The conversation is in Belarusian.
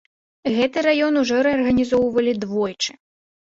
Гэты раён ужо рэарганізоўвалі двойчы.